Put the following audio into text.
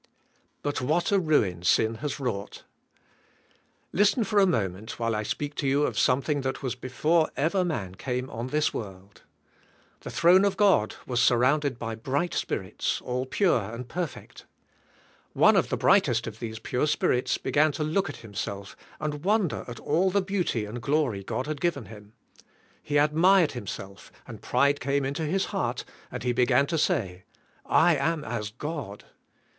But what a ruin sin has wroug ht. Listen for a moment while I speak to you of something that was before ever man came on this world. The throne of God was surrounded by brig ht spirits, all pure and per fect. One of the brig htest of these pure spirits beg an to look at himself and wonder at all the beauty and g'lory God had g iven him. He admired himself and pride came into his heart and he began to say, *'I am as God."